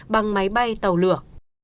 bằng máy bay tàu lửa